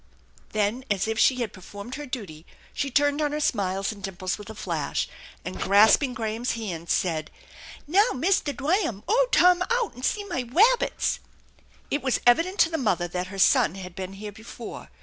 Then as if she had performed her duty, she turned on her smiles and dimples with a flash, and grasping Graham's hand said, " Now, Mistah Dwa'm, oo turn out an' see my wabbits !" It was evident to the mother that her son had been here before.